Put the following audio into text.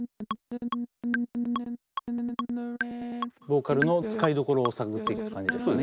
ボーカルの使いどころを探っていく感じですかね。